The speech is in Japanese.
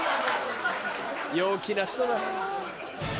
陽気な人だ。